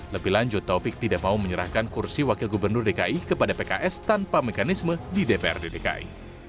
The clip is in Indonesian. lebih lanjut taufik tidak mau menyerahkan kursi wakil gubernur dki kepada pks tanpa mekanisme di dprd dki